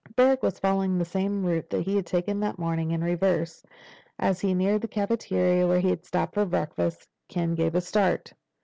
Barrack was following the same route he had taken that morning, in reverse. As he neared the cafeteria where he had stopped for breakfast, Ken gave a start.